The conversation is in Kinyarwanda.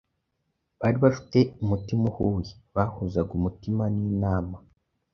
Bari bafite umutima uhuye”, “bahuzaga umutima n’inama ”.